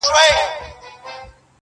چي د مخ لمر يې تياره سي نيمه خوا سي.